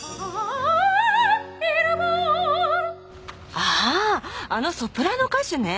あのソプラノ歌手ね。